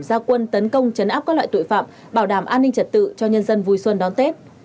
gia quân tấn công chấn áp các loại tội phạm bảo đảm an ninh trật tự cho nhân dân vui xuân đón tết